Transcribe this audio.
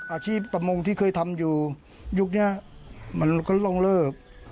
ประมงที่เคยทำอยู่ยุคนี้มันก็ล่วงเลิก